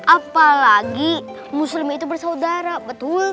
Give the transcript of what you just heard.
apalagi muslim itu bersaudara betul